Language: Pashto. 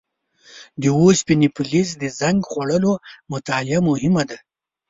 د اوسپنې فلز د زنګ خوړلو مطالعه مهمه ده.